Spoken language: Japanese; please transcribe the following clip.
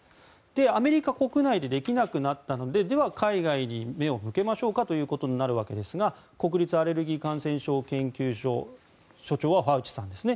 アメリカ国内でできなくなったのででは海外に目を向けましょうかとなるわけですが国立アレルギー・感染症研究所所長はファウチさんですね。